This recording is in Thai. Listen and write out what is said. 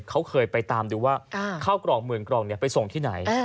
เขาเคยไปตามดูว่าเข้ากรองเหมือนกรองเนี่ยไปส่งที่ไหน